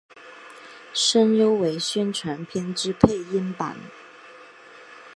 声优为宣传片之配音版。